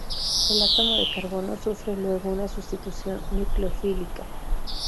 El átomo de carbono sufre luego una sustitución nucleofílica.